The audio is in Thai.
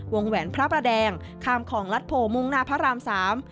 วงแวนพระประแดงข้ามของลัดโผมงงนาพระราม๓